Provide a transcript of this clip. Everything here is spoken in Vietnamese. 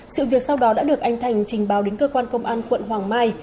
sự việc sau đó đã được anh thành trình báo đến cơ quan công an quận hoàng mai